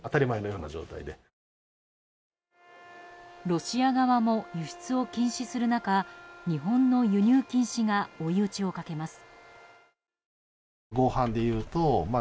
ロシア側も輸出を禁止する中日本の輸入禁止が追い打ちをかけます。